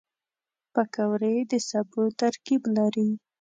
پکورې د سبو ترکیب لري